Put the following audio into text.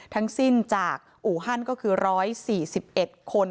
ทั้งสิ้นจากอู่ฮั่นก็คือ๑๔๑คน